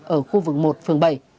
ở khu vực một phường bảy